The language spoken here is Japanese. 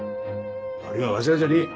悪いんはわしらじゃねえ。